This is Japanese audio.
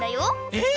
えっ！